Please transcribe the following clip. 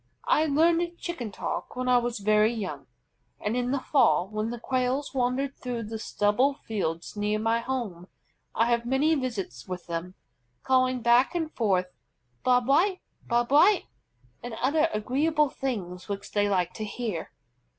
I learned Chicken talk when I was very young; and in the fall, when the Quails wander through the stubble fields near my home, I have many visits with them, calling back and forth "Bob White! Bob White!" and other agreeable things which they like to hear.